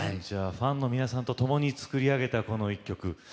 ファンの皆さんとともに作り上げたこの一曲。